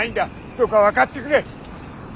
どうか分かってくれ。